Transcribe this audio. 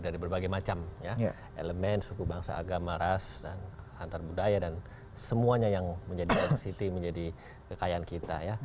dari berbagai macam elemen suku bangsa agama ras antar budaya dan semuanya yang menjadi kekayaan kita